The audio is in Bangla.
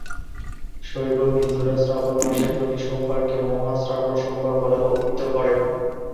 শৈব হিন্দুরা শ্রাবণ মাসের প্রতি সোমবার কে মহা শ্রাবণ সোমবার বলে অভিহিত করেন।